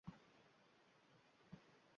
Pitcher, ayting, kutib turishsin